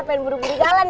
pengen buru buru jalan ya